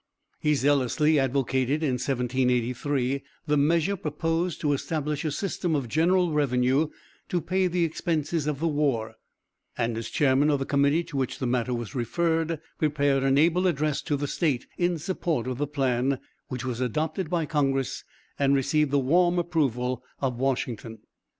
He zealously advocated in 1783 the measure proposed to establish a system of general revenue to pay the expenses of the war, and as chairman of the committee to which the matter was referred, prepared an able address to the State in support of the plan, which was adopted by congress and received the warm approval of Washington.